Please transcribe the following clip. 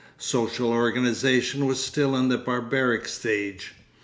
Social organisation was still in the barbaric stage.